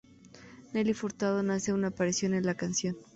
Nelly Furtado hace una aparición en la canción.